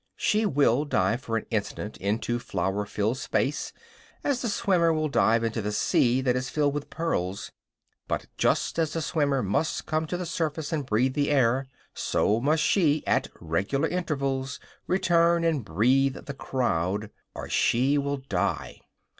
She will dive for an instant into flower filled space, as the swimmer will dive into the sea that is filled with pearls; but, just as the swimmer must come to the surface and breathe the air, so must she, at regular intervals, return and breathe the crowd or she will die.